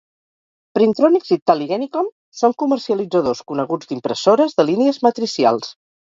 Printronix i TallyGenicom són comercialitzadors coneguts d'impressores de línies matricials.